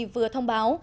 vừa thông báo